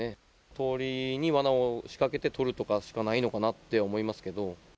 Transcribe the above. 通りにわなを仕掛けて捕るとかしかないのかなって思いますけど。